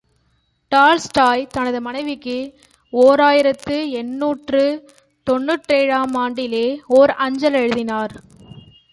Tolstoy தனது மனைவிக்கு ஓர் ஆயிரத்து எண்ணூற்று தொன்னூற்றேழு ஆம் ஆண்டிலே ஓர் அஞ்சல் எழுதினார்.